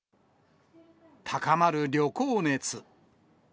高まる旅行熱。